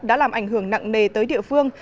đã làm ảnh hưởng nặng nề tới địa phương